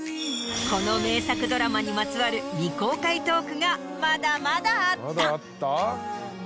この名作ドラマにまつわる未公開トークがまだまだあった。